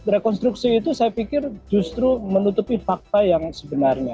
rekonstruksi itu saya pikir justru menutupi fakta yang sebenarnya